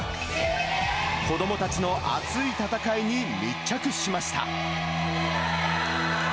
子どもたちの熱い戦いに密着しました。